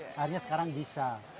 akhirnya sekarang bisa